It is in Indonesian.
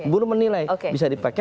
baru menilai bisa dipakai